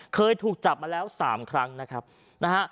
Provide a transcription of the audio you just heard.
เคยถูกจับมาแล้ว๓ครั้งนะครับนะฮะ